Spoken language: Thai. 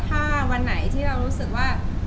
ถ้าวันไหนที่เรารู้สึกว่า